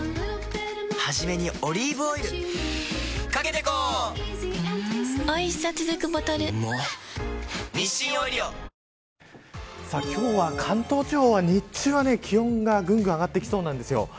僕なんか今日は、関東地方は日中は気温がぐんぐん上がってきそうなんです。